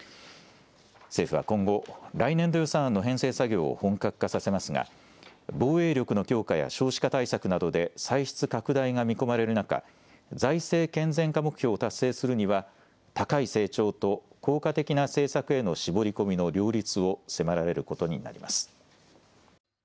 政府は今後、来年度予算案の編成作業を本格化させますが防衛力の強化や少子化対策などで歳出拡大が見込まれる中、財政健全化目標を達成するには高い成長と効果的な政策への絞り込みの両立を迫られることになります。